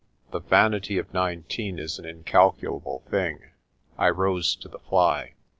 The vanity of nineteen is an incalculable thing. I rose to the fly.